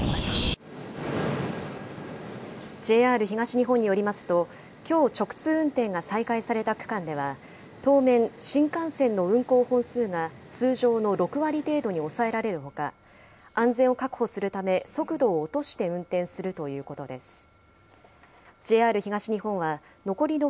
ＪＲ東日本によりますと、きょう直通運転が再開された区間では、当面、新幹線の運行本数が通常の６割程度に抑えられるほか、安全を確保するため、速度を落として運転するということです。